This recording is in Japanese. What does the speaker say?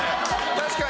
確かに。